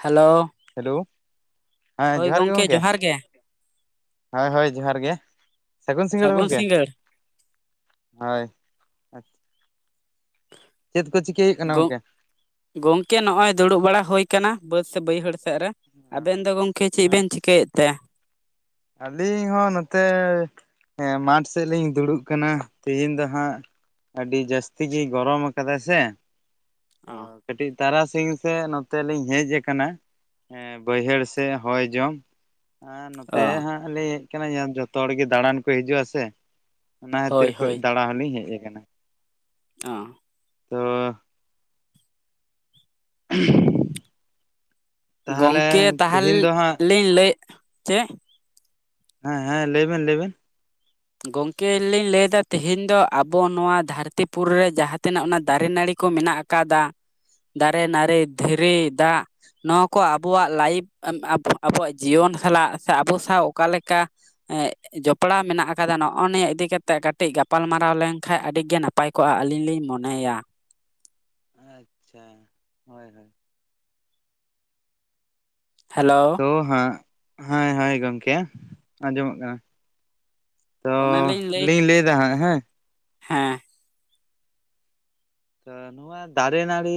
Hello hello ᱦᱮᱸ ᱦᱳᱭ ᱡᱚᱦᱟᱨ ᱜᱮ ᱜᱚᱢᱠᱮ ᱜᱚᱝᱠᱮ। ᱡᱚᱦᱟᱨ ᱜᱮ ᱦᱳᱭ ᱦᱳᱭ ᱡᱚᱦᱟᱨ ᱜᱮ ᱥᱟᱹᱜᱩᱱ ᱥᱤᱸᱜᱟᱹᱲ ᱜᱚᱝᱠᱮ। ᱦᱳᱭ ᱪᱮᱫ ᱯᱮ ᱪᱤᱠᱟᱹᱭᱮᱜ ᱠᱟᱱᱟ ᱜᱚᱝᱠᱮ? ᱜᱚᱝᱠᱮ ᱱᱚᱜᱼᱚᱭ ᱫᱩᱲᱩᱵ ᱵᱟᱲᱟ ᱦᱩᱭ ᱟᱠᱟᱱᱟ ᱵᱟᱹᱥ ᱥᱮ ᱵᱟᱹᱭᱦᱟᱹᱲ ᱥᱮᱫ ᱨᱮ, ᱟᱵᱮᱱ ᱫᱚ ᱜᱚᱝᱠᱮ ᱪᱮᱫ ᱵᱮᱱ ᱟᱪᱪᱷᱟ ᱪᱤᱠᱟᱹᱭᱮᱫ ᱛᱮ? ᱟᱹᱞᱤᱧ ᱦᱚᱸ ᱱᱚᱛᱮ ᱦᱮᱸ ᱢᱟᱴᱷ ᱥᱮᱫ ᱞᱤᱧ ᱫᱩᱲᱩᱵ ᱠᱟᱱᱟ ᱛᱮᱦᱤᱧ ᱫᱚ ᱦᱟᱸᱜ। ᱟᱹᱰᱤ ᱡᱟᱹᱥᱛᱤ ᱜᱮᱭ ᱜᱚᱨᱚᱢ ᱟᱠᱟᱫᱟ ᱥᱮ। ᱛᱚ ᱚ ᱠᱟᱹᱴᱤᱡ ᱛᱟᱨᱟᱥᱤᱧ ᱥᱮᱫ ᱱᱚᱛᱮ ᱞᱤᱧ ᱦᱮᱡ ᱟᱠᱟᱱᱟ। ᱦᱮᱸ ᱵᱟᱹᱭᱦᱟᱹᱲ ᱥᱮᱜ ᱦᱚᱭ ᱡᱚᱢ। ᱟᱸ ᱱᱚᱛᱮ ᱚ ᱦᱟᱸᱜ ᱞᱤᱧ ᱦᱮᱡ ᱠᱟᱱᱟ ᱡᱚᱛᱚ ᱦᱚᱲᱜᱮ ᱫᱟᱬᱟᱱ ᱠᱚ ᱦᱤᱡᱩᱜ ᱟᱥᱮ। ᱚᱱᱟ ᱠᱷᱟᱹᱛᱤᱨ ᱦᱳᱭ ᱠᱟᱹᱭ ᱦᱳᱭ ᱫᱟᱬᱟ ᱦᱚᱸᱞᱤᱧ ᱦᱮᱡ ᱟᱠᱟᱱᱟ। ᱚᱸ ᱟᱸ [unintelligible] ᱛᱟᱦᱚᱞᱮ ᱜᱚᱝᱠᱮ ᱛᱟᱦᱚ, ᱛᱮᱦᱮᱧ ᱫᱚ ᱦᱟᱸᱜ ᱞᱤᱧ ᱞᱟᱹᱭᱮᱫ ᱪᱮᱫ? ᱦᱮᱸ ᱦᱮᱸ ᱞᱟᱹᱭ ᱵᱮᱱ ᱞᱟᱹᱭ ᱵᱮᱱ ᱜᱚᱢᱠᱮ ᱞᱤᱧ ᱞᱟᱹᱭ ᱫᱟ ᱛᱮᱦᱮᱧ ᱫᱚ ᱟᱵᱚ ᱱᱚᱣᱟ ᱫᱷᱟᱹᱨᱛᱤᱯᱩᱨᱤ ᱨᱮ ᱡᱟᱸᱦᱟ ᱛᱤᱱᱟᱹᱜ ᱚᱱᱟ ᱫᱟᱨᱮ, ᱱᱟᱹᱲᱤ, ᱠᱚ ᱢᱮᱱᱟᱜ ᱟᱠᱟᱫᱟ ᱫᱟᱨᱮ, ᱱᱟᱹᱲᱤ, ᱫᱷᱤᱨᱤ, ᱫᱟᱜ, ᱱᱚᱣᱟ ᱠᱚ ᱟᱵᱚᱣᱟᱜ ᱞᱟᱭᱤᱯᱷ [unintelligible] ᱟᱵᱚᱣᱟᱜ ᱡᱤᱭᱚᱱ ᱥᱟᱞᱟᱜ ᱥᱮ ᱟᱵᱚ ᱥᱟᱶ ᱚᱠᱟᱮᱠᱟ ᱡᱚᱯᱚᱲᱟᱣ ᱢᱮᱱᱟᱜ ᱟᱠ ᱟᱠᱟᱫᱟ ᱱᱚᱜᱼᱚ ᱱᱤᱭᱟᱹ ᱤᱫᱤ ᱠᱟᱛᱮ ᱠᱟᱹᱴᱤᱡ ᱜᱟᱯᱟᱞᱢᱟᱨᱟᱣ ᱞᱮᱱᱠᱟᱱ ᱟᱹᱰᱤᱜᱮ ᱱᱟᱯᱟᱭ ᱠᱚᱜᱼᱟ ᱟᱹᱞᱤᱧ ᱞᱤᱧ ᱢᱚᱱᱮᱭᱟ। ᱟᱪᱪᱷᱟ ᱦᱳᱭ ᱦᱳᱭ। ᱦᱮᱞᱳ ᱚ ᱦᱟᱸ ᱦᱮ ᱦᱳᱭ ᱜᱚᱢᱠᱮ ᱟᱸᱡᱚᱢᱚᱜ ᱠᱟᱱᱟ। ᱚᱱᱟᱞᱤᱧ ᱞᱟᱹᱭ ᱞᱟᱹᱭ ᱮᱫᱟ ᱦᱟᱜ ᱦᱮᱸ। ᱦᱮᱸ ᱛᱚ ᱱᱚᱣᱟ ᱫᱟᱨᱮ ᱱᱟᱹᱲᱤ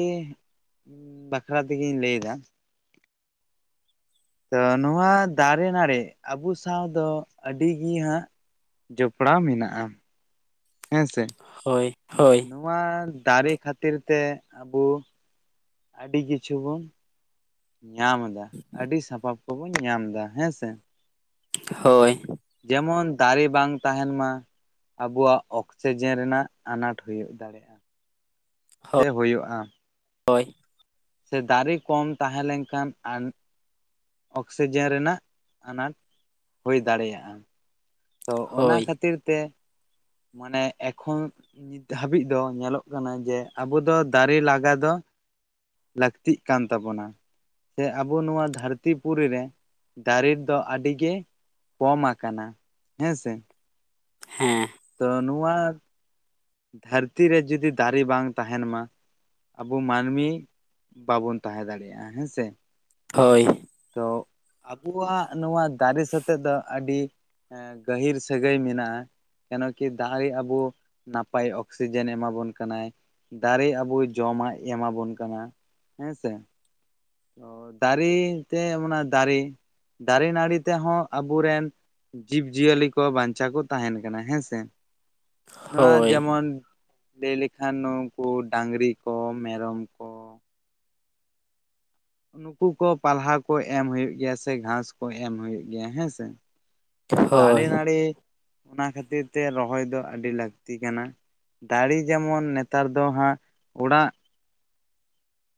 ᱵᱟᱠᱷᱨᱟ ᱛᱮᱜᱤᱧ ᱞᱟᱹᱭ ᱮᱫᱟ। ᱛᱚ ᱱᱚᱣᱟ ᱫᱟᱨᱮ ᱱᱟᱹᱲᱤ ᱟᱵᱚ ᱥᱟᱶ ᱫᱚ ᱟᱹᱰᱤᱜᱮ ᱦᱟᱸᱜ ᱡᱚᱯᱚᱲᱟᱣ ᱢᱮᱱᱟᱜᱼᱟ ᱦᱮᱸ ᱥᱮ। ᱦᱳᱭ-ᱦᱳᱭ। ᱱᱚᱣᱟ ᱫᱟᱨᱮ ᱠᱷᱟᱹᱛᱤᱨ ᱛᱮ ᱟᱵᱚ ᱟᱹᱰᱤ ᱠᱤᱪᱷᱩ ᱵᱚᱱ ᱧᱟᱢ ᱮᱫᱟ, ᱟᱹᱰᱤ ᱥᱟᱯᱟᱵ ᱠᱚᱵᱚᱱ ᱧᱟᱢ ᱮᱫᱟ ᱦᱮᱸ ᱥᱮ। ᱦᱳᱭ। ᱡᱮᱢᱚᱱ ᱫᱟᱨᱮ ᱵᱟᱝ ᱛᱟᱦᱮᱱ ᱢᱟ ᱾ ᱟᱵᱚᱣᱟᱜ ᱚᱠᱥᱤᱡᱮᱱ ᱨᱮᱱᱟᱜ ᱟᱱᱟᱴ ᱦᱩᱭᱩᱜ ᱫᱟᱲᱮᱜᱼᱟ ᱾ ᱥᱮ ᱦᱳᱭᱳᱜᱼᱟ ᱾ ᱦᱳᱭ ᱥᱮ ᱫᱟᱨᱮ ᱠᱚᱢ ᱛᱟᱦᱮᱸ ᱞᱮᱱᱠᱷᱟᱱ ᱟᱱ ᱚᱠᱥᱤᱡᱮᱱ ᱨᱮᱱᱟᱜ ᱟᱱᱟᱴ ᱦᱩᱭ ᱫᱟᱲᱮᱭᱟᱜᱼᱟ ᱾ ᱛᱚ ᱚᱱᱟ ᱦᱳᱭ ᱠᱷᱟᱹᱛᱤᱨ ᱛᱮ ᱢᱟᱱᱮ ᱮᱠᱷᱚᱱ ᱱᱤᱛ ᱦᱟᱹᱵᱤᱡ ᱫᱚ ᱧᱮᱞᱚᱜ ᱠᱟᱱᱟ ᱡᱮ ᱟᱵᱚ ᱫᱚ ᱫᱟᱨᱮ ᱞᱟᱜᱟ ᱫᱚ ᱞᱟᱹᱠᱛᱤᱜ ᱠᱟᱱ ᱛᱟᱵᱚᱱᱟ, ᱥᱮ ᱟᱵᱚ ᱱᱚᱣᱟ ᱫᱷᱟᱹᱨᱛᱤ ᱯᱩᱨᱤ ᱨᱮ ᱾ ᱫᱟᱨᱮ ᱫᱚ ᱟᱹᱰᱤ ᱜᱮ ᱠᱚᱢ ᱟᱠᱟᱱᱟ᱾ ᱦᱮᱸ ᱥᱮ। ᱦᱮᱸ। ᱛᱚ ᱱᱚᱣᱟ ᱫᱷᱟᱹᱨᱛᱤ ᱨᱮ ᱡᱩᱫᱤ ᱫᱟᱨᱮ ᱵᱟᱝ ᱛᱟᱦᱮᱱ ᱢᱟ᱾ ᱟᱵᱚ ᱢᱟᱹᱱᱢᱤ ᱵᱟᱵᱚᱱ ᱛᱟᱦᱮᱸ ᱫᱟᱲᱮᱭᱟᱜᱼᱟ ᱦᱮᱸ ᱥᱮ ᱦᱳᱭ ᱾ ᱛᱚ ᱟᱵᱚᱣᱟᱜ ᱱᱚᱣᱟ ᱫᱟᱨᱮ ᱥᱟᱛᱮᱮᱫ ᱫᱚ ᱟᱹᱰᱤ ᱮᱸ ᱜᱟᱹᱦᱤᱨ ᱥᱟᱹᱜᱟᱹᱭ ᱢᱮᱱᱟᱜᱼᱟ ᱾ ᱠᱮᱱᱚ ᱠᱤ ᱫᱟᱦᱨᱮ ᱟᱵᱚ ᱱᱟᱯᱟᱭ ᱚᱠᱥᱤᱡᱮᱱ ᱮᱢᱟᱵᱚᱱ ᱠᱟᱱᱟᱭ ᱾ ᱫᱟᱨᱮ ᱟᱵᱚ ᱡᱚᱢᱟᱜ ᱮᱢᱟᱵᱚᱱ ᱠᱟᱱᱟ ᱦᱮᱸᱥᱮ ᱾ ᱚ ᱫᱟᱨᱮ ᱛᱮ ᱚᱱᱟ ᱫᱟᱨᱮ, ᱫᱟᱨᱮ ᱱᱟᱹᱲᱤ ᱛᱮᱦᱚᱸ ᱟᱵᱚᱨᱮᱱ ᱾ ᱡᱤᱵᱽ ᱡᱤᱭᱟᱹᱞᱤ ᱠᱚ ᱵᱟᱧᱪᱟᱣ ᱠᱚ ᱛᱟᱦᱮᱱ ᱠᱟᱱᱟ ᱦᱮᱸ ᱥᱮ ᱾ ᱱᱚᱣᱟ ᱦᱳᱭ ᱡᱮᱢᱚᱱ ᱞᱟᱹᱭ ᱞᱮᱠᱷᱟᱱ ᱱᱩᱠᱩ ᱰᱟᱝᱨᱤ ᱠᱚ ᱢᱮᱨᱚᱢ ᱠᱚ ᱾ ᱱᱩᱠᱩ ᱠᱚ ᱯᱟᱞᱦᱟ ᱠᱚ ᱮᱢ ᱦᱩᱭᱩᱜ ᱜᱮᱭᱟ ᱥᱮ ᱜᱷᱟᱸᱥ ᱠᱚ ᱮᱢ ᱦᱩᱭᱩᱜ ᱜᱮᱭᱟ ᱦᱮᱸ ᱥᱮ ᱛᱚ ᱫᱟᱨᱮ ᱦᱳᱭ ᱱᱟᱹᱲᱤ ᱚᱱᱟ ᱠᱷᱟᱹᱛᱤᱨ ᱛᱮ ᱨᱚᱦᱚᱭ ᱫᱚ ᱟᱹᱰᱤ ᱞᱟᱹᱠᱛᱤ ᱠᱟᱱᱟ᱾ ᱫᱟᱲᱮ ᱡᱮᱢᱚᱱ ᱱᱮᱛᱟᱨ ᱫᱚ ᱦᱟᱸᱜ ᱚᱲᱟᱜ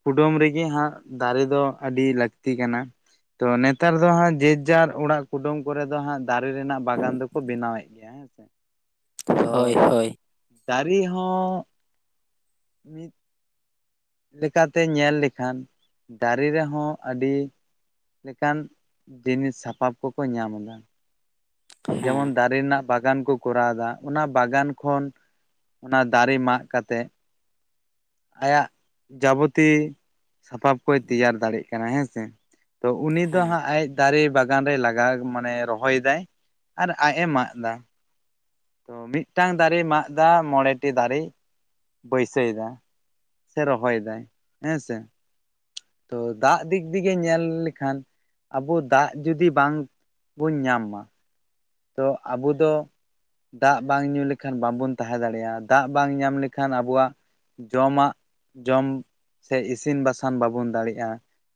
ᱠᱩᱰᱟᱹᱢ ᱨᱮᱜᱮ ᱦᱟᱸᱜ ᱫᱟᱨᱮ ᱫᱚ ᱟᱹᱰᱤ ᱞᱟᱹᱠᱛᱤ ᱠᱟᱱᱟ ᱾ ᱛᱚ ᱱᱮᱛᱟᱨ ᱫᱚ ᱦᱟᱸᱜ ᱡᱮ ᱡᱟᱨ ᱚᱲᱟᱜ ᱠᱩᱰᱟᱹᱢ ᱠᱚᱨᱮ ᱫᱚ ᱦᱟᱸᱜ ᱫᱟᱨᱮ ᱨᱮᱱᱟᱜ ᱵᱟᱜᱟᱱ ᱫᱚᱠᱚ ᱵᱮᱱᱟᱣᱮᱫ ᱜᱮᱭᱟ᱾ ᱦᱮᱸ ᱥᱮ ᱛᱚ ᱦᱳᱭ ᱦᱳᱭ ᱫᱟᱨᱮ ᱦᱚᱸ ᱢᱤᱫ ᱞᱮᱠᱟᱛᱮ ᱧᱮᱞ ᱞᱮᱠᱷᱟᱱ ᱫᱟᱨᱮ ᱨᱮᱦᱚᱸ ᱟᱹᱰᱤ ᱞᱮᱠᱟᱱ ᱡᱤᱱᱤᱥ ᱥᱟᱯᱟᱵ ᱠᱚᱠᱚ ᱧᱟᱢ ᱮᱫᱟ ᱾ ᱡᱮᱢᱚᱱ ᱦᱮᱸ ᱫᱟᱨᱮ ᱨᱮᱱᱟᱜ ᱵᱟᱜᱟᱱ ᱠᱚ ᱠᱚᱨᱟᱣ ᱮᱫᱟ ᱚᱱᱟ ᱵᱟᱜᱟᱱ ᱠᱷᱚᱱ ᱚᱱᱟ ᱫᱟᱨᱮ ᱢᱟᱜ ᱠᱟᱛᱮᱫ, ᱟᱭᱟᱜ ᱡᱟᱵᱚᱛᱤᱭ ᱥᱟᱯᱟᱵ ᱠᱚᱭ ᱛᱮᱭᱟᱨ ᱫᱟᱲᱮᱜ ᱠᱟᱱᱟ ᱦᱮᱸ ᱥᱮ ᱛᱚ ᱩᱱᱤ ᱫᱚ ᱦᱮᱸ ᱦᱟᱸᱜ ᱟᱡ ᱫᱟᱨᱮ ᱵᱟᱜᱟᱱ ᱨᱮᱭ ᱞᱟᱜᱟᱣ ᱢᱟᱱᱮ ᱨᱚᱦᱚᱭᱮᱫᱟᱭ ᱾ ᱟᱨ ᱟᱡ ᱮ ᱢᱟᱜ ᱫᱟ ᱾ ᱛᱚ ᱢᱤᱫᱴᱟᱝ ᱫᱟᱨᱮᱭ ᱢᱟᱜ ᱫᱟ ᱢᱚᱬᱮ ᱴᱤ ᱫᱟᱨᱮᱭ ᱵᱟᱹᱭᱥᱟᱹᱣ ᱮᱫᱟ ᱾ ᱥᱮ ᱨᱚᱦᱚᱭ ᱫᱟᱭ ᱦᱮᱸ ᱥᱮ ᱾ ᱛᱚ ᱫᱟᱜ ᱫᱤᱠ ᱫᱤᱜᱮ ᱧᱮᱞ ᱞᱮᱠᱷᱟᱱ ᱾ ᱟᱵᱚ ᱫᱟᱜ ᱡᱩᱫᱤ ᱵᱟᱝ ᱵᱚᱱ ᱧᱟᱢ ᱢᱟ ᱛᱚ ᱟᱵᱚ ᱫᱚ ᱫᱟᱜ ᱵᱟᱝ ᱧᱩ ᱞᱮᱠᱷᱟᱱ ᱵᱟᱝᱵᱚᱱ ᱛᱟᱦᱮᱸ ᱫᱟᱲᱮᱭᱟᱜᱼᱟ ᱫᱟᱜ ᱵᱟᱝ ᱧᱟᱢ ᱞᱮᱠᱷᱟᱱ ᱟᱵᱚᱣᱟᱜ ᱡᱚᱢᱟᱜ ᱡᱚᱢ ᱥᱮ ᱤᱥᱤᱱ ᱵᱟᱥᱟᱝ ᱵᱟᱵᱚᱱ ᱫᱟᱲᱮᱭᱟᱜᱼᱟ᱾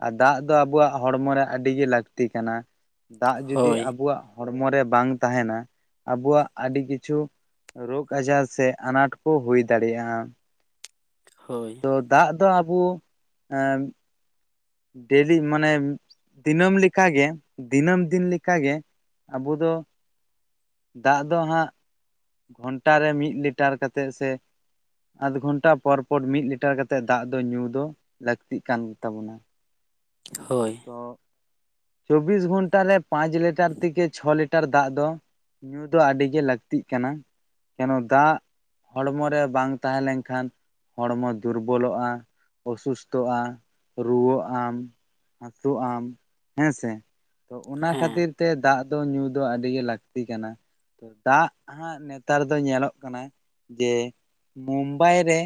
ᱟᱨ ᱫᱟᱜ ᱫᱚ ᱟᱵᱚᱣᱟᱜ ᱦᱚᱲᱢᱚ ᱨᱮ ᱟᱹᱰᱤᱜᱮ ᱞᱟᱹᱠᱛᱤ ᱠᱟᱱᱟ᱾ ᱫᱟᱜ ᱡᱩᱫᱤ ᱦᱳᱭ ᱟᱵᱚᱣᱟᱜ ᱦᱚᱲᱢᱚ ᱨᱮ ᱵᱟᱝ ᱛᱟᱦᱮᱱᱟ᱾ ᱟᱵᱚᱣᱟᱜ ᱟᱹᱰᱤ ᱠᱤᱪᱷᱩ ᱨᱳᱜᱽ ᱟᱡᱟᱨ ᱥᱮ ᱟᱱᱟᱴ ᱠᱚ ᱦᱩᱭ ᱫᱟᱲᱮᱭᱟᱜᱼᱟ ᱾ ᱦᱳᱭ ᱛᱚ ᱫᱟᱜ ᱫᱚ ᱟᱵᱚ ᱟᱸᱻ ᱰᱮᱞᱤ ᱢᱟᱱᱮ ᱫᱤᱱᱟᱹᱢ ᱞᱮᱠᱟᱜᱮ ᱫᱤᱱᱟᱹᱢ ᱫᱤᱱ ᱞᱮ ᱞᱮᱠᱟᱜᱮ ᱟᱵᱚ ᱫᱚ ᱫᱟᱜ ᱫᱚ ᱦᱟᱸᱜ ᱜᱷᱚᱱᱴᱟ ᱨᱮ ᱢᱤᱫ ᱞᱤᱴᱟᱨ ᱠᱟ ᱠᱟᱛᱮᱫ ᱥᱮ ᱟᱫᱷ ᱜᱷᱚᱱᱴᱟ ᱯᱚᱨ ᱯᱚᱨ ᱢᱤᱫ ᱞᱤᱴᱟᱨ ᱠᱟᱛᱮᱫ ᱫᱟᱜ ᱫᱚ ᱧᱩ ᱫᱚ ᱞᱟᱹᱠᱛᱤᱜ ᱠᱟᱱ ᱜᱮ ᱛᱟᱵᱚᱱᱟ [inaudible] ᱦᱳᱭ ᱛᱚ ᱪᱚᱵᱽᱵᱤᱥ ᱜᱷᱚᱱᱴᱟ ᱨᱮ ᱯᱟᱸᱪ ᱞᱤᱴᱟᱨ ᱛᱷᱮᱠᱮ ᱪᱷᱚ ᱞᱤᱴᱟᱨ ᱫᱟᱜ ᱫᱚ ᱧᱩ ᱫᱚ ᱟᱹᱰᱤᱜᱮ ᱞᱟᱹᱠᱛᱤᱜ ᱠᱟᱱᱟ ᱠᱮᱱᱚ ᱫᱟᱜ ᱦᱚᱲᱢᱚ ᱨᱮ ᱵᱟᱝ ᱛᱟᱦᱮᱸ ᱞᱮᱱᱠᱷᱟᱱ ᱦᱚᱲᱢᱚ ᱫᱩᱨᱵᱚᱞᱚᱜᱼᱟ ᱚᱥᱩᱥᱛᱷᱚᱜᱼᱟ ᱨᱩᱣᱟᱹᱜ ᱟᱢ ᱦᱟᱹᱥᱩᱜ ᱟᱢ ᱦᱮᱸ ᱥᱮ ᱛᱚ ᱚᱱᱟ ᱦᱮᱸ ᱠᱷᱟᱹᱛᱤᱨ ᱛᱮ ᱫᱟᱜ ᱫᱚ ᱧᱩ ᱫᱚ ᱟᱹᱰᱤ ᱜᱮ ᱞᱟᱹᱠᱛᱤ ᱠᱟᱱᱟ ᱛᱚ ᱫᱟᱜ ᱦᱟᱸ ᱱᱮᱛᱟᱨ ᱫᱚ ᱧᱮᱞᱚᱜ ᱠᱟᱱᱟ ᱡᱮ ᱢᱩᱢᱵᱟᱭ ᱨᱮ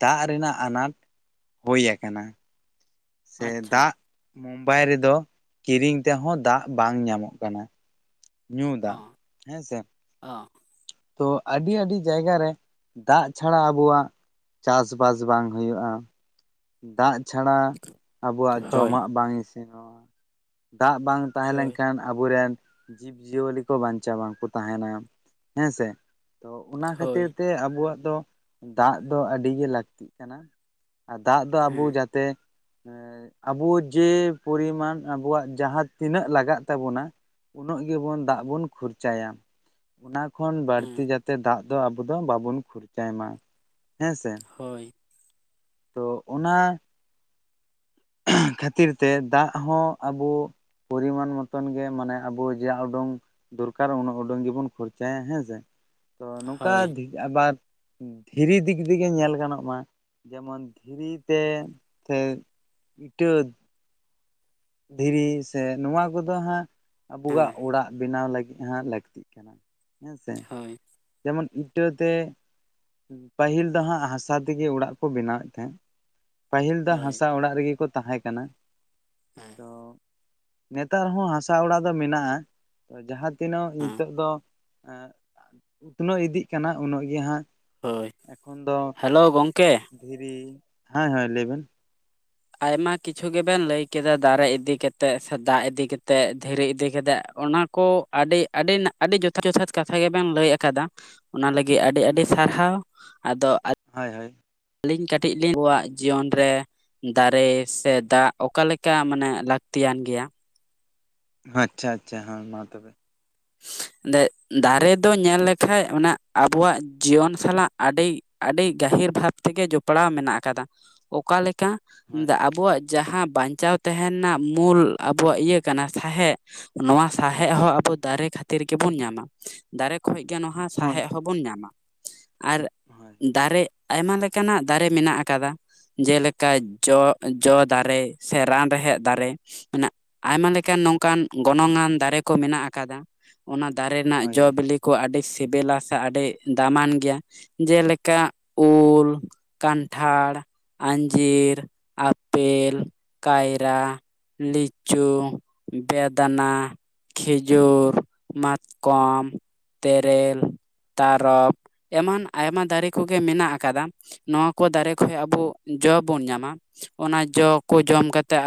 ᱫᱟᱜ ᱨᱮᱱᱟᱜ ᱟᱱᱟᱴ ᱦᱩᱭ ᱟᱠᱟᱱᱟ ᱥᱮ ᱟᱪᱪᱷᱟ ᱫᱟᱜ ᱢᱩᱢᱵᱟᱭ ᱨᱮᱫᱚ ᱠᱤᱨᱤᱧ ᱛᱮᱦᱚᱸ ᱫᱟᱜ ᱵᱟᱝ ᱧᱟᱢᱚᱜ ᱠᱟᱱᱟ ᱧᱩ ᱚ ᱫᱟᱜ ᱦᱮᱸ ᱥᱮ ᱚ ᱛᱚ ᱟᱹᱰᱤ ᱟᱹᱰᱤ ᱡᱟᱭᱜᱟ ᱨᱮ ᱫᱟᱜ ᱪᱷᱟᱲᱟ ᱟᱵᱚᱣᱟᱜ ᱪᱟᱥ ᱵᱟᱥ ᱵᱟᱝ ᱦᱩᱭᱩᱜᱼᱟ ᱫᱟᱜ ᱪᱷᱟᱲᱟ ᱟᱵᱚᱣᱟᱜ ᱦᱳᱭ ᱡᱚᱢᱟᱜ ᱵᱟᱝ ᱤᱥᱤᱱᱚᱜ ᱫᱟᱜ ᱵᱟᱝ ᱛᱟᱦᱮᱸ ᱦᱳᱭ ᱞᱮᱱᱠᱷᱟᱱ ᱟᱵᱚᱨᱮᱱ ᱡᱤᱵᱽᱡᱤᱭᱟᱹᱞᱤ ᱠᱚ ᱵᱟᱧᱪᱟᱣ ᱵᱟᱝᱠᱚ ᱛᱟᱦᱮᱱᱟ ᱦᱮᱸ ᱥᱮ ᱛᱚ ᱚᱱᱟ ᱦᱳᱭ ᱠᱷᱟᱹᱛᱤᱨ ᱛᱮ ᱟᱵᱚᱣᱟᱜ ᱫᱚ ᱫᱟᱜ ᱫᱚ ᱟᱹᱰᱤ ᱜᱮ ᱞᱟᱹᱠᱛᱤᱜ ᱠᱟᱱᱟ ᱟᱨ ᱫᱟᱜ ᱫᱚ ᱟᱵᱚ ᱦᱮᱸ ᱡᱟᱛᱮ ᱮ ᱟᱵᱚ ᱡᱮ ᱯᱚᱨᱤᱢᱟᱱ ᱟᱵᱚᱣᱟᱜ ᱡᱟᱦᱟᱸ ᱛᱤᱱᱟᱹᱜ ᱞᱟᱜᱟᱜ ᱛᱟᱵᱚᱱᱟ ᱩᱱᱟᱹᱜ ᱜᱮᱵᱚᱱ ᱫᱟᱜ ᱵᱚᱱ ᱠᱷᱚᱨᱪᱟᱭᱟ ᱚᱱᱟ ᱠᱷᱚᱱ ᱵᱟᱹᱲᱛᱤ ᱦᱮᱸ ᱡᱟᱛᱮ ᱫᱟᱜ ᱫᱚ ᱟᱵᱚ ᱫᱚ ᱵᱟᱵᱚᱱ ᱠᱷᱚᱨᱪᱟᱭ ᱢᱟ ᱦᱮᱸᱥᱮ ᱦᱳᱭ ᱛᱚ ᱚᱱᱟ ᱠᱷᱟᱹᱛᱤᱨ ᱛᱮ ᱫᱟᱜ ᱦᱚᱸ ᱟᱵᱚ ᱯᱚᱨᱤᱢᱟᱱ ᱢᱚᱛᱚᱱ ᱜᱮ ᱢᱟᱱᱮ ᱟᱵᱚ ᱡᱟ ᱩᱰᱩᱝ ᱫᱚᱨᱠᱟᱨ ᱩᱱᱟᱹᱜ ᱩᱰᱩᱝ ᱜᱮᱵᱚᱱ ᱠᱷᱚᱨᱪᱟᱭᱟ ᱦᱮᱸᱥᱮ ᱛᱚ ᱱᱚᱝᱠᱟ ᱦᱳᱭ ᱟᱵᱟᱨ ᱫᱷᱤᱨᱤ ᱫᱤᱠ ᱫᱤᱭᱮ ᱧᱮᱞ ᱜᱟᱱᱚᱜ ᱢᱟ ᱡᱮᱢᱚᱱ ᱫᱷᱤᱨᱤ ᱛᱮ ᱥᱮ ᱤᱴᱟᱹ ᱫᱷᱤᱨᱤ ᱥᱮ ᱱᱚᱣᱟ ᱠᱚᱫᱚ ᱦᱟᱸᱜ ᱟᱵᱚᱣᱟᱜ ᱦᱮᱸ ᱚᱲᱟᱜ ᱵᱮᱱᱟᱣ ᱞᱟᱹᱜᱤᱫ ᱦᱟᱸᱜ ᱞᱟᱹᱠᱛᱤᱜ ᱠᱟᱱᱟ ᱦᱮᱸ ᱥᱮ ᱦᱳᱭ ᱡᱮᱢᱚᱱ ᱤᱴᱟᱹᱛᱮ ᱯᱟᱹᱦᱤᱞ ᱫᱚ ᱦᱟᱸᱜ ᱦᱟᱥᱟ ᱛᱮᱜᱮ ᱚᱲᱟᱜ ᱠᱚ ᱵᱮᱱᱟᱣᱮᱫ ᱛᱟᱦᱮᱸᱫ ᱯᱟᱹᱦᱤᱞ ᱫᱚ ᱦᱳᱭ ᱦᱟᱥᱟ ᱚᱲᱟᱜ ᱨᱮᱜᱮ ᱠᱚ ᱛᱟᱦᱮᱸ ᱠᱟᱱᱟ ᱦᱮᱸ ᱛᱚ ᱱᱮᱛᱟᱨ ᱦᱚᱸ ᱦᱟᱥᱟ ᱚᱲᱟᱜ ᱫᱚ ᱢᱮᱱᱟᱜᱼᱟ ᱛᱚ ᱡᱟᱦᱟᱸ ᱛᱤᱱᱟᱜ ᱦᱮᱸ ᱱᱤᱛᱚᱜ ᱫᱚ ᱩᱛᱱᱟᱹᱣ ᱤᱫᱤᱜ ᱠᱟᱱᱟ ᱩᱱᱟᱹᱜ ᱜᱮ ᱦᱟᱸᱜ ᱦᱳᱭ ᱮᱠᱷᱚᱱ ᱫᱚ ᱦᱮᱞᱳ ᱜᱚᱝᱠᱮ ᱫᱷᱤᱨᱤ ᱦᱮᱸ ᱦᱳᱭ ᱞᱟᱹᱭ ᱵᱮᱱ ᱟᱭᱢᱟ ᱠᱤᱪᱷᱩ ᱜᱮᱵᱮᱱ ᱞᱟᱹᱭ ᱠᱮᱫᱟ ᱫᱟᱨᱮ ᱤᱫᱤ ᱠᱟᱛᱮᱫ ᱥᱮ ᱫᱟᱜ ᱤᱫᱤ ᱠᱟᱛᱮ ᱫᱷᱤᱨᱤ ᱤᱫᱤ ᱠᱟᱛᱮ ᱚᱱᱟ ᱠᱚ ᱟᱹᱰᱤ ᱟᱹᱰᱤ ᱟᱹᱰᱤ ᱡᱚᱛᱷᱟᱛ ᱡᱚᱛᱷᱟᱛ ᱠᱟᱛᱷᱟ ᱜᱮᱵᱮᱱ ᱞᱟᱹᱭ ᱟᱠᱟᱫᱟ ᱚᱱᱟ ᱞᱟᱹᱜᱤᱫ ᱟᱹᱰᱤ ᱟᱹᱰᱤ ᱟᱪᱪᱷᱟ ᱥᱟᱨᱦᱟᱣ ᱟᱫᱚ ᱦᱳᱭ ᱦᱳᱭ ᱟᱹᱞᱤᱧ ᱠᱟᱹᱴᱤᱡ ᱞᱤᱧ ᱟᱵᱚᱣᱟᱜ ᱡᱤᱭᱚᱱ ᱨᱮ ᱫᱟᱨᱮ ᱥᱮ ᱫᱟᱜ ᱚᱠᱟᱞᱮᱠᱟᱱ ᱢᱟᱱᱮ ᱞᱟᱹᱠᱛᱤᱭ ᱟᱱ ᱜᱮᱭᱟ ᱟᱪᱪᱷᱟ ᱟᱪᱪᱷᱟ ᱦᱮᱸ ᱢᱟ ᱛᱚᱵᱮ ᱫᱟᱨᱮ ᱫᱚ ᱧᱮᱞ ᱞᱮᱠᱷᱟᱡ ᱚᱱᱟ ᱟᱵᱚᱣᱟᱜ ᱡᱤᱭᱚᱱ ᱥᱟᱞᱟᱜ ᱟᱹᱰᱤ ᱟᱹᱰᱤ ᱜᱟᱹᱦᱤᱨ ᱵᱷᱟᱵᱽ ᱛᱮᱜᱮ ᱡᱚᱯᱲᱟᱣ ᱢᱮᱱᱟᱜ ᱟᱠᱟᱫᱟ ᱚᱠᱟ ᱞᱮᱠᱟ ᱦᱳᱭ ᱟᱵᱚᱣᱟᱜ ᱡᱟᱦᱟᱸ ᱵᱟᱧᱪᱟᱣ ᱛᱟᱦᱮᱸᱱ ᱨᱮᱱᱟᱜ ᱢᱩᱞ ᱟᱵᱚᱣᱟᱜ ᱤᱭᱟᱹ ᱠᱟᱱᱟ ᱥᱟᱦᱮᱫ ᱱᱚᱣᱟ ᱥᱸᱟᱦᱮᱫ ᱦᱚᱸ ᱟᱵᱚ ᱫᱟᱨᱮ ᱠᱷᱟᱹᱛᱤᱨ ᱛᱤᱨᱮ ᱜᱮᱵᱚᱱ ᱧᱟᱢᱟ ᱫᱟᱨᱮ ᱠᱷᱚᱡ ᱜᱮ ᱱᱚᱣᱟ ᱦᱳᱭ ᱥᱟᱦᱮᱫ ᱦᱚᱸᱵᱚᱱ ᱧᱟᱢᱟ᱾ ᱟᱨ ᱦᱳᱭ ᱫᱟᱨᱮ ᱟᱭᱢᱟ ᱞᱮᱠᱟᱱᱟᱜ ᱫᱟᱨᱮ ᱢᱮᱱᱟᱜ ᱟᱠᱟᱫᱟ ᱡᱮᱞᱮᱠᱟ ᱡᱚ-ᱡᱚ ᱫᱟᱨᱮ ᱥᱮ ᱨᱟᱱ ᱨᱮᱦᱮᱫ ᱫᱟᱨᱮ᱾ ᱟᱭᱢᱟ ᱞᱮᱠᱟᱱ ᱱᱚᱝᱠᱟᱱ ᱜᱚᱱᱚᱝ ᱟᱱ ᱫᱟᱨᱮ ᱠᱚ ᱢᱮᱱᱟᱜ ᱟᱠᱟᱫᱟ᱾ ᱚᱱᱟ ᱫᱟᱨᱮ ᱨᱮᱱᱟᱜ ᱦᱳᱭ ᱡᱚ ᱦᱳᱭ ᱵᱤᱞᱤ ᱠᱚ ᱟᱹᱰᱤ ᱥᱤᱵᱤᱞᱟ ᱥᱮ ᱟᱹᱰᱤ ᱫᱟᱢᱟᱱ ᱜᱮᱭᱟ᱾ ᱡᱮᱞᱮᱠᱟ ᱩᱞ ᱠᱟᱱᱴᱷᱟᱲ ᱟᱹᱧᱡᱤᱨ ᱟᱯᱮᱞ ᱠᱟᱭᱨᱟ᱾ ᱞᱤᱪᱩ, ᱵᱮᱫᱟᱱᱟ, ᱠᱷᱮᱡᱩᱨ ᱢᱟᱛᱠᱚᱢ ᱛᱮᱨᱮᱞ ᱛᱟᱨᱚᱵ ᱮᱢᱟᱱ ᱟᱭᱢᱟ ᱫᱟᱨᱮ ᱠᱚᱜᱮ ᱢᱮᱱᱟᱜ ᱟᱠᱟᱫᱟ᱾ ᱱᱚᱣᱟ ᱠᱚ ᱫᱟᱨᱮ ᱠᱷᱚᱡ ᱟᱵᱚ ᱡᱚ ᱵᱚᱱ ᱧᱟᱢᱟ᱾ ᱚᱱᱟ ᱡᱚ ᱠᱚ ᱡᱚᱢ ᱠᱟᱛᱮᱫ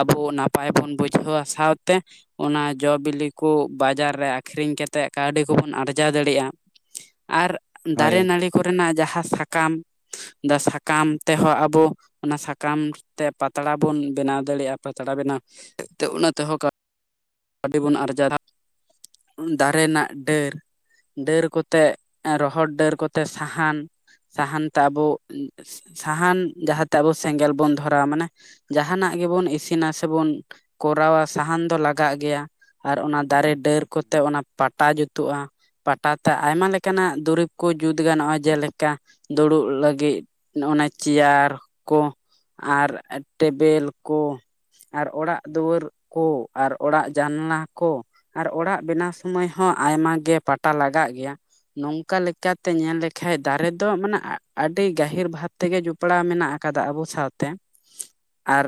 ᱟᱵᱚ ᱱᱟᱯᱟᱭ ᱵᱚᱱ ᱵᱩᱡᱷᱟᱹᱣᱟ ᱥᱟᱶᱛᱮ ᱚᱱᱟ ᱡᱚ ᱵᱤᱞᱤ ᱠᱚ ᱵᱟᱡᱟᱨ ᱨᱮ ᱟᱹᱠᱷᱨᱤᱧ ᱠᱟᱛᱮᱫ ᱠᱟᱹᱣᱰᱤ ᱠᱚᱵᱚᱱ ᱟᱨᱡᱟᱣ ᱫᱟᱲᱮᱭᱟᱜᱼᱟ ᱟᱨ ᱫᱟᱨᱮ ᱦᱳᱭ ᱱᱟᱹᱲᱤ ᱠᱚᱨᱮᱱᱟᱜ ᱡᱟᱦᱟᱸ ᱥᱟᱠᱟᱢ ᱥᱟᱠᱟᱢ ᱛᱮᱦᱚᱸ ᱟᱵᱚ ᱚᱱᱟ ᱥᱟᱠᱟᱢ ᱛᱮ ᱯᱟᱛᱲᱟ ᱵᱚᱱ ᱵᱮᱱᱟᱣ ᱫᱟᱲᱤᱭᱟᱜᱼᱟ᱾ ᱯᱟᱛᱲᱟ ᱵᱮᱱᱟᱣ ᱚᱱᱟ ᱛᱮᱦᱚᱸ ᱠᱟ. ᱠᱟᱹᱣᱰᱤ ᱵᱚᱱ ᱟᱨᱡᱟᱣ ᱫᱟ ᱫᱟᱨᱮ ᱱᱟᱜ ᱰᱟᱹᱨ ᱰᱟᱹᱨ ᱠᱚᱛᱮ ᱨᱚᱦᱚᱲ ᱰᱟᱹᱨ ᱠᱚᱛᱮ ᱥᱟᱦᱟᱱ ᱥᱟᱦᱟᱱ ᱛᱮ ᱟᱵᱚ ᱥᱟᱦᱟᱱ ᱡᱟᱦᱟᱸᱛᱮ ᱟᱵᱚ ᱥᱮᱸᱜᱮᱞ ᱵᱚᱱ ᱫᱷᱚᱨᱟᱣᱟ ᱢᱟᱱᱮ ᱡᱟᱦᱟᱱᱟᱜ ᱜᱮᱵᱚᱱ ᱤᱥᱤᱱᱟ ᱥᱮᱵᱩᱱ ᱠᱚᱨᱟᱣᱟ ᱥᱟᱦᱟᱱ ᱫᱚ ᱞᱟᱜ ᱠᱟᱜ ᱜᱮᱭᱟ ᱟᱨ ᱚᱱᱟ ᱫᱟᱨᱮ ᱰᱟᱹᱨ ᱠᱚᱛᱮ ᱚᱱᱟ ᱯᱟᱴᱟ ᱡᱩᱫᱤ ᱡᱩᱛᱩᱜᱼᱟ᱾ ᱯᱟᱴᱟ ᱛᱮ ᱟᱭᱢᱟ ᱞᱮᱠᱟᱱᱟᱜ ᱫᱩᱨᱤᱵᱽ ᱠᱚ ᱡᱩᱛ ᱜᱟᱱᱚᱜᱼᱟ᱾ ᱡᱮᱞᱮᱠᱟ ᱫᱩᱲᱩᱵ ᱞᱟᱹᱜᱤᱫ ᱚᱱᱟ ᱪᱮᱭᱟᱨ ᱠᱚ ᱟᱨ ᱴᱮᱵᱮᱞ ᱠᱚ ᱟᱨ ᱚᱲᱟᱜ ᱫᱩᱣᱟᱹᱨ ᱠᱚ᱾ ᱟᱨ ᱚᱲᱟᱜ ᱡᱟᱱᱟᱞᱟ ᱠᱚ ᱟᱨ ᱚᱲᱟᱜ ᱵᱮᱱᱟᱣ ᱥᱚᱢᱟᱹᱭ ᱦᱚᱸ ᱟᱭᱢᱟ ᱜᱮ ᱯᱟᱴᱟ ᱞᱟᱜᱟᱜ ᱜᱮᱭᱟ᱾ ᱱᱚᱝᱠᱟ ᱞᱮᱠᱟᱛᱮ ᱧᱮᱞ ᱞᱮᱠᱷᱟᱡ ᱫᱟᱨᱮ ᱫᱚ ᱢᱟᱱᱮ ᱟᱹᱰᱤ ᱜᱟᱹᱦᱤᱨ ᱵᱷᱟᱵ- ᱛᱮᱜᱮ ᱡᱚᱯᱲᱟᱣ ᱢᱮᱱᱟᱜ ᱟᱠᱟᱫᱟ ᱟᱵᱚ ᱥᱟᱶᱛᱮ ᱟᱨ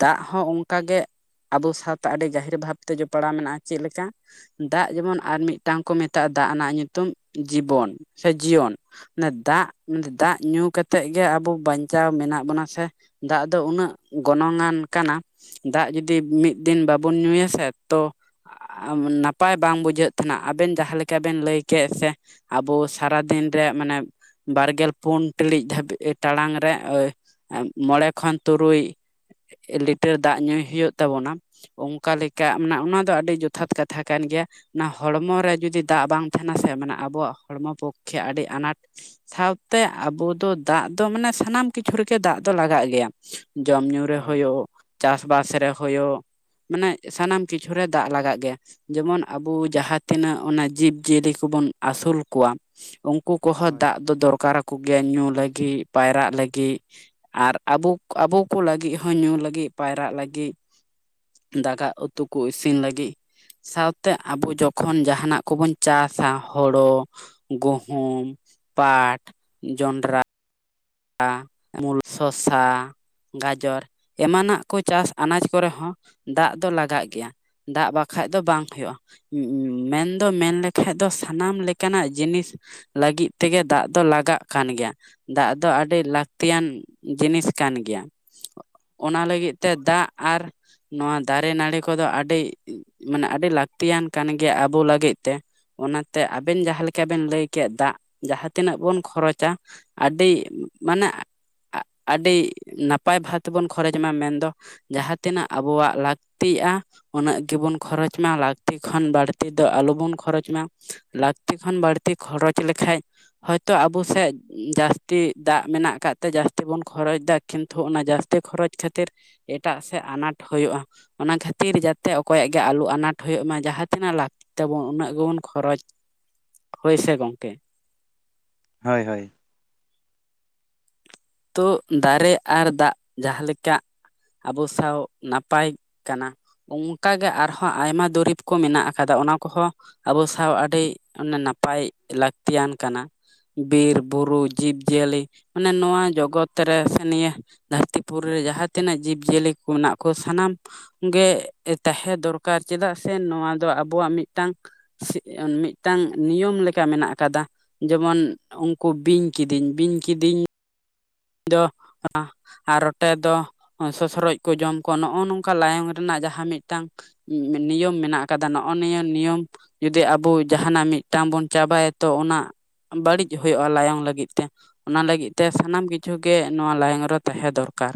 ᱫᱟᱜ ᱦᱚᱸ ᱚᱱᱠᱟ ᱜᱮ ᱟᱵᱚ ᱥᱟᱶ ᱟᱹᱰᱤ ᱜᱟᱹᱦᱤᱨ ᱵᱷᱟᱵᱽᱛᱮ ᱡᱚᱯᱲᱟᱣ ᱢᱮᱱᱟᱜᱼᱟ ᱪᱮᱫ ᱞᱮᱠᱟ ᱫᱟᱜ ᱡᱮᱢᱚᱱ ᱟᱨ ᱢᱤᱫᱴᱟᱝ ᱠᱚ ᱢᱮᱛᱟᱜᱼᱟ ᱫᱟᱜ ᱨᱮᱱᱟᱜ ᱧᱩᱛᱩᱢ ᱡᱤᱵᱚᱱ ᱥᱮ ᱡᱤᱭᱚᱱ᱾ ᱫᱟᱜ ᱫᱟᱜ ᱧᱩ ᱠᱟᱛᱮᱫ ᱜᱮ ᱟᱵᱚ ᱵᱟᱧᱪᱟᱣ ᱢᱮᱱᱟᱜ ᱵᱚᱱᱟ ᱥᱮ ᱫᱟᱜ ᱫᱚ ᱩᱱᱟᱹᱜ ᱜᱚᱱᱚᱝ ᱟᱱ ᱠᱟᱱᱟ᱾ ᱫᱟᱜ ᱡᱩᱫᱤ ᱢᱤᱫ ᱫᱤᱱ ᱵᱟᱵᱚᱱ ᱧᱩᱭᱟ ᱥᱮ ᱛᱚ ᱱᱟᱯᱟᱭ ᱵᱟᱝ ᱵᱩᱡᱷᱟᱹᱜ ᱛᱟᱦᱮᱱᱟ ᱟᱵᱮᱱ ᱡᱟᱦᱟᱸ ᱞᱮᱠᱟ ᱵᱮᱱ ᱞᱟᱹᱭ ᱠᱮᱫ ᱥᱮ ᱟᱵᱚ ᱥᱟᱨᱟᱫᱤᱱ ᱨᱮ ᱢᱟᱱᱮ ᱵᱟᱨᱜᱮᱞ ᱯᱩᱱ ᱴᱤᱲᱤᱡ ᱫᱷᱟᱹᱵᱤᱡ ᱴᱟᱲᱟᱝ ᱨᱮ ᱢᱚᱬᱮ ᱠᱷᱚᱱ ᱛᱩᱨᱩᱭ ᱞᱤᱴᱟᱨ ᱫᱟᱜ ᱧᱩᱭ ᱦᱩᱭᱩᱜ ᱛᱟᱵᱚᱱᱟ᱾ ᱚᱱᱠᱟ ᱞᱮᱠᱟ ᱢᱮᱱᱟᱜᱼᱟ ᱚᱱᱟ ᱫᱚ ᱟᱹᱰᱤ ᱡᱚᱛᱷᱟᱛ ᱠᱟᱛᱷᱟ ᱠᱟᱱ ᱜᱮᱭᱟ᱾ ᱚᱱᱟ ᱦᱚᱲᱢᱚ ᱨᱮ ᱡᱩᱫᱤ ᱫᱟᱜ ᱵᱟᱝ ᱛᱟᱦᱮᱱᱟ ᱥᱮ ᱢᱟᱱᱮ ᱟᱵᱚᱣᱟᱜ ᱦᱚᱲᱢᱚ ᱯᱚᱠᱠᱷᱮ ᱟᱹᱰᱤ ᱟᱱᱟᱴ ᱥᱟᱶᱛᱮ ᱟᱵᱚ ᱫᱚ ᱫᱟᱜ ᱫᱚ ᱢᱟᱱᱮ ᱥᱟᱱᱟᱢ ᱠᱤᱪᱷᱩ ᱨᱮᱜᱮ ᱫᱟᱜ ᱫᱚ ᱞᱟᱜᱟᱜ ᱜᱮᱭᱟ᱾ ᱡᱚᱢ ᱧᱩ ᱨᱮ ᱦᱳᱭ ᱦᱳᱭᱳᱜ ᱪᱟᱥ ᱵᱟᱥ ᱨᱮ ᱦᱳᱭᱳᱜ ᱢᱟᱱᱮ ᱥᱟᱱᱟᱢ ᱠᱤᱪᱷᱩᱮ ᱫᱟᱜ ᱞᱟᱜᱟᱜ ᱜᱮᱭᱟ᱾ ᱡᱮᱢᱚᱱ ᱟᱵᱚ ᱡᱟᱦᱟᱸ ᱛᱤᱱᱟᱹᱜ ᱚᱱᱟ ᱡᱤᱵᱽᱡᱤᱭᱟᱹᱞᱤ ᱠᱚᱵᱚᱱ ᱟᱹᱥᱩᱞ ᱠᱚᱣᱟ ᱩᱱᱠᱩ ᱠᱚᱦᱚᱸ ᱦᱳᱭ ᱫᱟᱜ ᱫᱚ ᱫᱚᱨᱠᱟᱨ ᱟᱠᱚ ᱜᱮᱭᱟ ᱧᱩ ᱞᱟᱹᱜᱤᱫ ᱯᱟᱭᱨᱟᱜ ᱞᱟᱹᱜᱤᱫ᱾ ᱟᱨ ᱟᱵᱚ ᱟᱵᱚ ᱠᱚ ᱞᱟᱹᱜᱤᱫ ᱦᱚᱸ ᱧᱩ ᱞᱟᱹᱜᱤᱫ ᱯᱟᱭᱨᱟᱜ ᱞᱟᱹᱜᱤᱫ ᱫᱟᱠᱟ ᱩᱛᱩ ᱠᱚ ᱤᱥᱤᱱ ᱞᱟᱹᱜᱤᱫ ᱥᱟᱶᱛᱮ ᱟᱵᱚ ᱡᱚᱠᱷᱚᱱ ᱡᱟᱦᱟᱸᱱᱟᱜ ᱠᱚᱵᱚᱱ ᱪᱟᱥᱟ ᱦᱳᱲᱳ ᱜᱩᱦᱩᱢ ᱯᱟᱴ ᱡᱚᱱᱰᱨᱟ ᱩᱞ ᱥᱚᱥᱟ ᱜᱟᱡᱚᱨ ᱮᱢᱟᱱᱟᱜ ᱠᱚ ᱪᱟᱥ ᱟᱱᱟᱡᱽ ᱠᱚᱨᱮ ᱦᱚᱸ ᱫᱟᱜ ᱫᱚ ᱞᱟᱜᱟᱜ ᱜᱮᱭᱟ᱾ ᱫᱟᱜ ᱵᱟᱠᱷᱟᱡ ᱫᱚ ᱵᱟᱝ ᱦᱳᱭᱳᱜᱼᱟ ᱾ ᱢᱮᱱᱫᱚ ᱢᱮᱱᱞᱮᱠᱷᱟᱡ ᱫᱚ ᱥᱟᱱᱟᱢ ᱞᱮᱠᱟᱱᱟᱜ ᱡᱤᱱᱤᱥ ᱞᱟᱹᱜᱤᱫ ᱛᱮᱜᱮ ᱫᱟᱜ ᱫᱚ ᱞᱟᱜᱟᱜ ᱠᱟᱱ ᱜᱮᱭᱟ ᱫᱟᱜ ᱫᱚ ᱫᱚ ᱟᱹᱰᱤ ᱞᱟᱹᱠᱛᱤᱭᱟᱱ ᱡᱤᱱᱤᱥ ᱠᱟᱱ ᱜᱮᱭᱟ ᱚᱱᱟ ᱞᱟᱹᱜᱤᱫ ᱛᱮ ᱫᱟᱜ ᱟᱨ ᱱᱚᱣᱟ ᱫᱟᱨᱮ ᱱᱟᱹᱲᱤ ᱠᱚᱫᱚ ᱟᱹᱰᱤ ᱢᱟᱱᱮ ᱟᱹᱰᱤ ᱞᱟᱹᱠᱛᱤᱭᱟᱱ ᱠᱟᱱ ᱜᱮᱭᱟ ᱟᱵᱚ ᱞᱟᱹᱜᱤᱫ ᱛᱮ ᱚᱱᱟᱛᱮ ᱟᱵᱮᱱ ᱡᱟᱦᱟᱸ ᱞᱮᱠᱟ ᱵᱮᱱ ᱞᱟᱹᱭ ᱠᱮᱫ ᱫᱟᱜ ᱡᱟᱦᱟᱸ ᱛᱤᱱᱟᱹᱜ ᱵᱚᱱ ᱠᱷᱚᱨᱚᱪᱟ ᱟᱹᱰᱤ ᱢᱟᱱᱮ ᱟᱹᱰᱤ ᱱᱟᱯᱟᱭ ᱵᱷᱟᱵ ᱛᱮᱵᱚᱱ ᱠᱷᱚᱨᱚᱪ ᱢᱟ ᱢᱮᱱᱫᱚ ᱡᱟᱦᱟᱸ ᱛᱤᱱᱟᱹᱜ ᱟᱵᱚᱣᱟᱜ ᱞᱟᱹᱠᱛᱤᱜᱼᱟ ᱩᱱᱟᱹᱜ ᱜᱮᱵᱚᱱ ᱠᱷᱚᱨᱚᱪ ᱢᱟ ᱞᱟᱹᱠᱛᱤ ᱠᱷᱚᱱ ᱵᱟᱹᱲᱛᱤ ᱫᱚ ᱟᱞᱚᱵᱚᱱ ᱠᱷᱚᱨᱚᱪ ᱢᱟ ᱞᱟᱹᱠᱛᱤ ᱠᱷᱚᱱ ᱵᱟᱹᱲᱛᱤ ᱠᱷᱚᱨᱚᱪ ᱞᱮᱠᱷᱟᱡ ᱦᱚᱭᱛᱳ ᱟᱵᱚ ᱥᱮᱫ ᱡᱟᱹᱥ ᱡᱟᱥᱛᱤ ᱫᱟᱜ ᱢᱮᱱᱟᱜ ᱠᱟᱫ ᱛᱮ ᱡᱟᱹᱥᱛᱤ ᱵᱚᱱ ᱠᱷᱚᱨᱚᱪᱫᱟ ᱠᱤᱱᱛᱩ ᱚᱱᱟ ᱡᱟᱹᱥᱛᱤ ᱠᱷᱚᱨᱚᱪ ᱠᱷᱟᱹᱛᱤᱨ ᱮᱴᱟᱜ ᱥᱮᱫ ᱟᱱᱟᱴ ᱦᱩᱭᱩᱜᱼᱟ᱾ ᱚᱱᱟ ᱠᱷᱟᱹᱛᱤᱨ ᱡᱟᱛᱮ ᱚᱠᱚᱭᱟᱜ ᱜᱮ ᱟᱞᱚ ᱟᱱᱟᱴ ᱦᱩᱭᱩᱜ ᱢᱟ ᱡᱟᱦᱟᱸ ᱛᱤᱱᱟᱜ ᱞᱟᱹᱠᱛᱤ ᱛᱟᱵᱚᱱ ᱩᱱᱟᱹᱜ ᱜᱮᱵᱚᱱ ᱠᱷᱚᱨᱚᱪ ᱦᱳᱭ ᱥᱮ ᱜᱚᱢᱠᱮ ᱦᱳᱭ ᱦᱳᱭ ᱛᱚ ᱫᱟᱨᱮ ᱟᱨ ᱫᱟᱜ ᱡᱟᱦᱟᱸ ᱞᱮᱠᱟ ᱟᱵᱚ ᱥᱟᱶ ᱱᱟᱯᱟᱭ ᱠᱟᱱᱟ᱾ ᱚᱱᱠᱟᱜᱮ ᱟᱨᱦᱚᱸ ᱟᱭᱢᱟ ᱫᱩᱨᱤᱵᱽ ᱠᱚ ᱢᱮᱱᱟᱜ ᱠᱟᱫᱟ ᱚᱱᱟ ᱠᱚᱦᱚᱸ ᱟᱵᱚ ᱥᱟᱶ ᱟᱹᱰᱤ ᱱᱟᱯᱟᱭ ᱞᱟᱹᱠᱛᱤᱭᱟᱱ ᱠᱟᱱᱟ ᱵᱤᱨ ᱵᱩᱨᱩ ᱡᱤᱵᱽ ᱡᱤᱭᱟᱹᱞᱤ ᱢᱟᱱᱮ ᱱᱚᱣᱟ ᱡᱚᱜᱚᱛ ᱨᱮ ᱥᱮ ᱱᱤᱭᱟᱹ ᱫᱷᱟᱹᱨᱛᱤ ᱯᱩᱨᱤ ᱨᱮ ᱡᱟᱦᱟᱸ ᱛᱤᱱᱟᱹᱜ ᱡᱤᱵ ᱡᱤᱭᱟᱹᱞᱤ ᱠᱚ ᱢᱮᱱᱟᱜ ᱠᱚ ᱥᱟᱱᱟᱢ ᱜᱮ ᱛᱟᱦᱮᱸ ᱫᱚᱨᱠᱟᱨ ᱪᱮᱫᱟᱜ ᱥᱮ ᱱᱚᱣᱟ ᱫᱚ ᱟᱵᱚᱣᱟᱜ ᱢᱤᱫᱴᱟᱝ ᱢᱤᱫᱴᱟᱝ ᱱᱤᱭᱚᱢ ᱞᱮᱠᱟ ᱢᱮᱱᱟᱜ ᱟᱠᱟᱫᱟ ᱡᱮᱢᱚᱱ ᱩᱱᱠᱩ ᱵᱤᱧ ᱠᱤᱫᱤᱧ ᱵᱤᱧ ᱠᱤᱫᱤᱧ ᱤᱧ ᱫᱚ ᱟᱨ ᱨᱚᱴᱮ ᱫᱚ ᱥᱚᱥᱚᱨᱚᱡ ᱠᱚ ᱡᱚᱢ ᱠᱚᱣᱟ ᱱᱚᱜᱼᱚ ᱱᱚᱝᱠᱟ ᱞᱟᱭᱚᱝ ᱨᱮᱱᱟᱜ ᱡᱟᱦᱟᱸ ᱢᱤᱫᱴᱟᱝ ᱱᱤᱭᱚᱢ ᱢᱮᱱᱟᱜ ᱠᱟᱫᱟ᱾ ᱱᱚᱜᱼᱚ ᱱᱤᱭᱟᱹ ᱱᱤᱭᱚᱢ ᱡᱩᱫᱤ ᱟᱵᱚ ᱡᱟᱦᱟᱱᱟᱜ ᱢᱤᱫᱴᱟᱝ ᱵᱚᱱ ᱪᱟᱵᱟᱭᱟ ᱛᱚ ᱚᱱᱟ ᱵᱟᱹᱲᱤᱡ ᱦᱩᱭᱩᱜᱼᱟ ᱞᱟᱭᱚᱝ ᱞᱟᱹᱜᱤᱫ ᱛᱮ ᱚᱱᱟ ᱞᱟᱹᱜᱤᱫ ᱛᱮ ᱥᱟᱱᱟᱢ ᱠᱤᱪᱷᱩ ᱠᱤᱪᱷᱩᱜ ᱜᱮ ᱱᱚᱣᱟ ᱞᱟᱭᱚᱝ ᱨᱮ ᱛᱟᱦᱮᱸ ᱫᱚᱨᱠᱟᱨ᱾